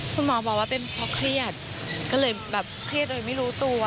คุณหมอบอกว่าเป็นเพราะเครียดก็เลยแบบเครียดโดยไม่รู้ตัว